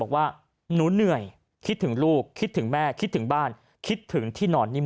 บอกว่าหนูเหนื่อยคิดถึงลูกคิดถึงแม่คิดถึงบ้านคิดถึงที่นอนนิ่ม